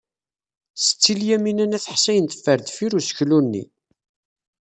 Setti Lyamina n At Ḥsayen teffer deffir useklu-nni.